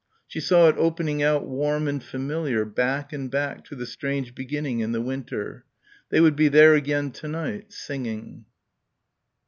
She saw it opening out warm and familiar back and back to the strange beginning in the winter. They would be there again to night, singing.